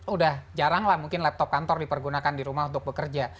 udah jarang lah mungkin laptop kantor dipergunakan di rumah untuk bekerja